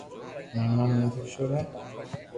مارو نوم نند ڪآݾور ھي